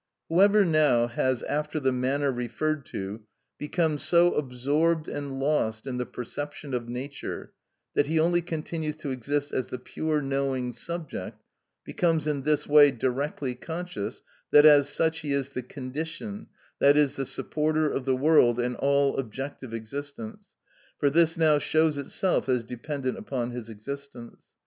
Whoever now, has, after the manner referred to, become so absorbed and lost in the perception of nature that he only continues to exist as the pure knowing subject, becomes in this way directly conscious that, as such, he is the condition, that is, the supporter, of the world and all objective existence; for this now shows itself as dependent upon his existence.